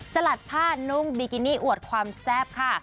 สลัดผ้านุ่งบิกินี่อวดความแซ่บค่ะ